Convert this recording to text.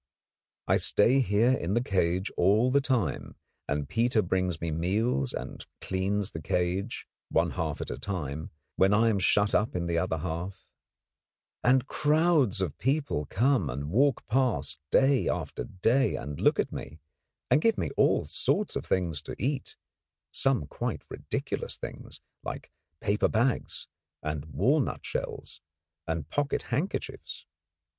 I stay here in the cage all the time, and Peter brings me meals and cleans the cage, one half at a time, when I am shut up in the other half; and crowds of people come and walk past day after day, and look at me, and give me all sorts of things to eat some quite ridiculous things, like paper bags and walnut shells and pocket handkerchiefs.